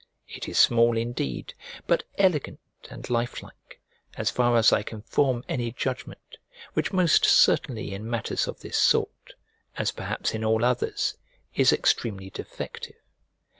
It is small indeed, but elegant and life like, as far as I can form any judgment, which most certainly in matters of this sort, as perhaps in all others, is extremely defective.